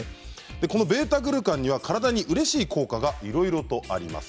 このβ−グルカンには体にうれしい効果がいろいろとあります。